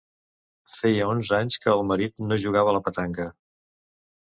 Feia onze anys que el marit no jugava a la petanca.